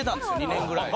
２年ぐらい。